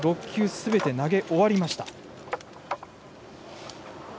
すべて投げ終わりました。